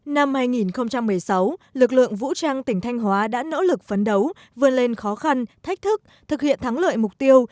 năm hai nghìn một mươi sáu lực lượng vũ trang tỉnh thanh hóa đã nỗ lực phấn đấu vươn lên khó khăn thách thức thực hiện thắng lợi mục tiêu